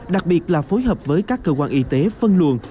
đặc biệt là phối hợp với các cơ quan y tế phân luồn